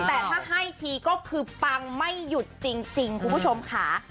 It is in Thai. แต่ถ้าให้ทีก็คือปังไม่หยุดจริงคุณผู้ชมค่ะ